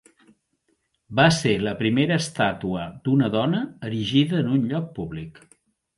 Va ser la primera estàtua d'una dona erigida en un lloc públic.